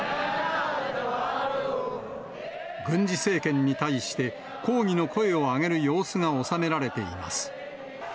軍事政権に対して、抗議の声を上げる様子が収められています。